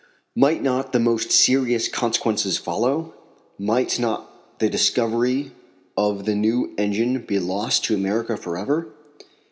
Might not the most serious consequences follow? Might not the discovery of the new engine be lost to America forever?